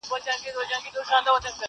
په ښکاره یې اخیستله رشوتونه٫